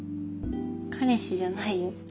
彼氏じゃないよ。